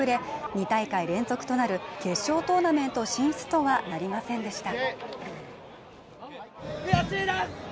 ２大会連続となる決勝トーナメント進出とはなりませんでした